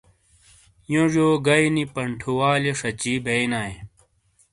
یونجیو گئیی نی پنٹھُوالیئے شاچی بئینائے۔